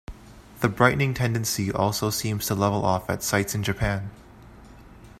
The brightening tendency also seems to level off at sites in Japan.